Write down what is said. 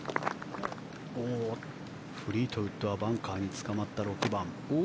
フリートウッドはバンカーにつかまった６番。